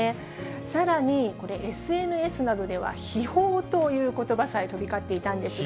さらにこれ、ＳＮＳなどでは、悲報ということばさえ飛び交っていたんですが。